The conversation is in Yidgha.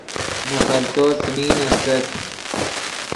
نے خلتو څیمین استت